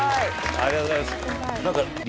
ありがとうございます